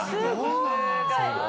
すごいな。